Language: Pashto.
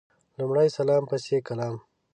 لمړی سلام پسي کلام